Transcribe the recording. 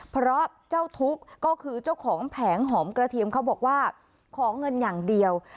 เพราะเจ้าทุกข์ก็คือเจ้าของแผงหอมกระเทียมเขาบอกว่าขอเงินอย่างเดียว